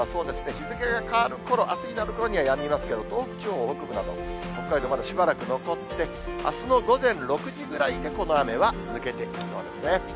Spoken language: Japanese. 日付が変わるころ、あすになるころにはやみますけれども、東北地方北部など、北海道、まだしばらく残って、あすの午前６時ぐらいでこの雨は抜けてきそうですね。